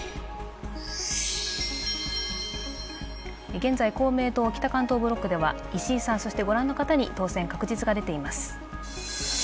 現在公明党北関東ブロックでは、石井さん、そして、ご覧の方に当選確実が出ています。